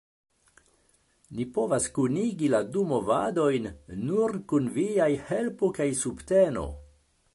Ni povas kunigi la du movadojn nur kun viaj helpo kaj subteno.